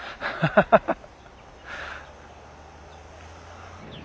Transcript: ハハハハハ。